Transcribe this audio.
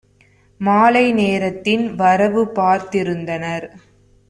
மாலை நேரத்தின் வரவுபார்த் திருந்தனர்.